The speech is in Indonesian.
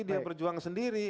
dia berjuang sendiri